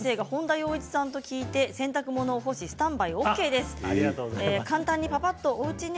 料理の先生が本田よう一さんと聞いて洗濯物を干すスタンバイＯＫです。